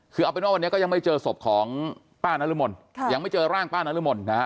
คือเอาเป็นว่าวันนี้ก็ยังไม่เจอศพของป้านรมนยังไม่เจอร่างป้านรมนนะฮะ